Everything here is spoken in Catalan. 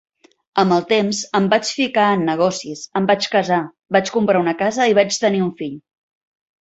Amb el temps em vaig ficar en negocis, em vaig casar, vaig comprar una casa i vaig tenir un fill.